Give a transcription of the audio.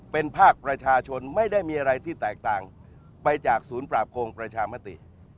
เป็นภาคประชาชนไม่ได้มีอะไรที่แตกต่างไปจากศูนย์ปราบโกงประชามติ